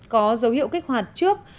có dấu hiệu kích hoạt trước